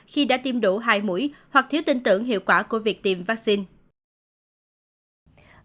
khi đã tiêm đủ hai mũi hoặc thiếu tin tưởng hiệu quả của việc tiêm vaccine